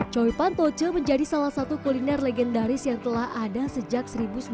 choy pan toche menjadi salah satu kuliner legendaris yang telah ada sejak seribu sembilan ratus tujuh puluh sembilan